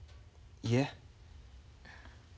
いえ。